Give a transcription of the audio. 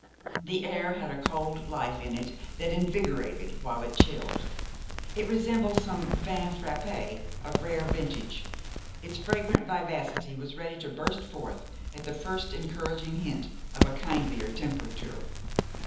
The air had a cold life in it that invigorated while it chilled. It resembled some vin frappé of rare vintage. Its fragrant vivacity was ready to burst forth at the first encouraging hint of a kindlier temperature.